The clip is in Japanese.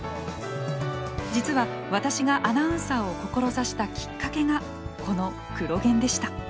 実は私がアナウンサーを志したきっかけがこの「クロ現」でした。